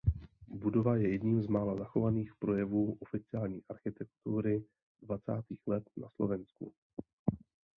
Budova je jedním z mála zachovaných projevů oficiální architektury dvacátých let na Slovensku.